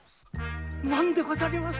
何でござります。